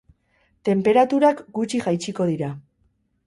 Tenperaturak gutxi jaitsiko dira.